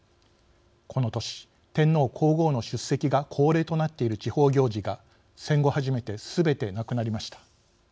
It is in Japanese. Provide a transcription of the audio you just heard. この年、天皇皇后の出席が恒例となっている地方行事が戦後初めてすべて無くなりました。